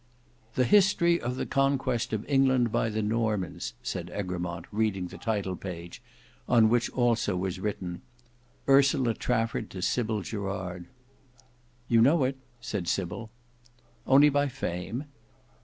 "The History of the Conquest of England by the Normans," said Egremont, reading the title page on which also was written "Ursula Trafford to Sybil Gerard." "You know it?" said Sybil. "Only by fame."